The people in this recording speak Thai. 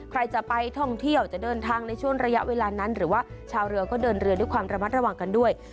ใครจะไปท่องเที่ยวจะเดินทางในช่วงระยะเวลานั้นหรือว่าชาวเรือก็เดินเรือด้วยความระมัดระวังกันด้วย